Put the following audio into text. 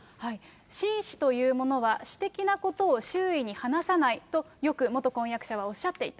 紳士というものは、私的なことを周囲に話さないと、よく元婚約者はおっしゃっていた。